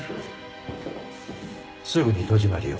すぐに戸締まりを。